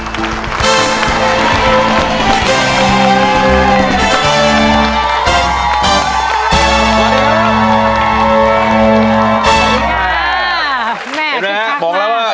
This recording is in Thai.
ตรงนี้หลับมากลับมาครับ